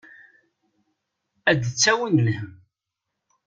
Ad d-tawim lhemm.